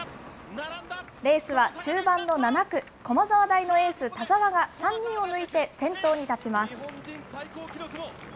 レースは終盤の７区、駒沢大のエース田澤が３人を抜いて先頭に立ちます。